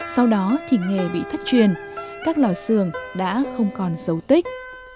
sau đó thì nghề bị thất truyền các lò xường đã không còn dấu tích